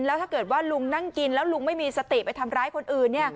แล้วถ้าเกิดว่าลุงนั่งกินแล้วลุงไม่มีสติไปทำร้ายคนอื่น